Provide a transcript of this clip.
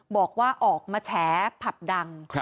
บอกว่าออกมาแฉผับดัง